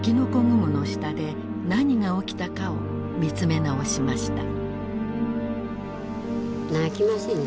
雲の下で何が起きたかを見つめ直しました。